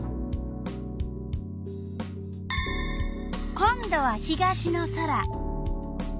今度は東の空。